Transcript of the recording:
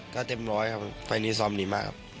ก็เต็มร้อยครับไฟล์นี้ซ้อมดีมากครับ